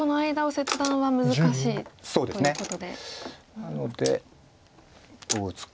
なのでどう打つか。